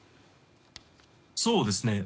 そうですね。